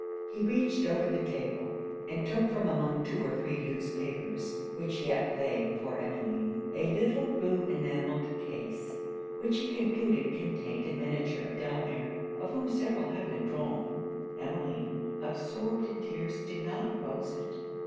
He reached over the table, and took from among two or three loose papers, which yet lay before Emmeline, a little blue enamelled case, which he concluded contained a miniature of Delamere, of whom several had been drawn. Emmeline, absorbed in tears, did not oppose it.